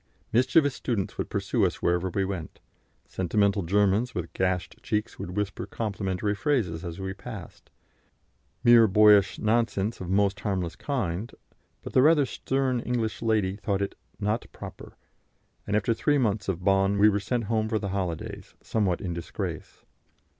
Mischievous students would pursue us wherever we went; sentimental Germans, with gashed cheeks, would whisper complimentary phrases as we passed; mere boyish nonsense of most harmless kind, but the rather stern English lady thought it "not proper," and after three months of Bonn we were sent home for the holidays, somewhat in disgrace.